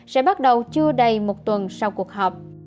sẽ bắt đầu chưa đầy một tuần sau cuộc họp